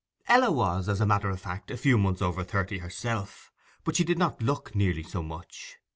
Ella was, as a matter of fact, a few months over thirty herself; but she did not look nearly so much.